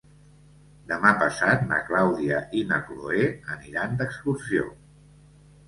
Demà passat na Clàudia i na Cloè aniran d'excursió.